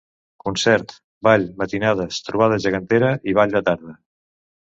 Concert, ball, matinades, trobada gegantera i ball de tarda.